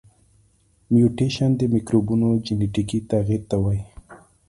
میوټیشن د مکروبونو جنیتیکي تغیر ته وایي.